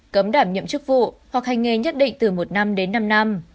cấm đảm nhiệm chức vụ hoặc hành nghề nhất định từ một năm đến năm năm